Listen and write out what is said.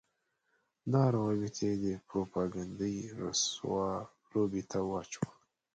دا روابط يې د پروپاګنډۍ رسوا لوبې ته واچول.